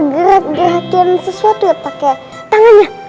gerak gerakin sesuatu ya pake tangannya